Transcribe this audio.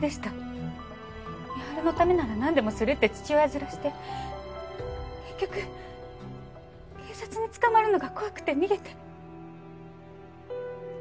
美晴のためならなんでもするって父親面して結局警察に捕まるのが怖くて逃げて。